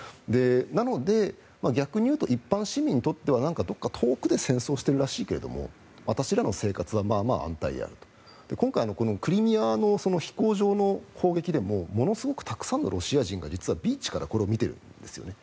なので、逆に言うと一般市民にとってはなんかどこか遠くで戦争しているらしいけど私たちの生活はまあまあ安泰だと。今回のクリミアの飛行場の砲撃でもものすごくたくさんのロシア人が実はビーチからこれを見ているんですよね。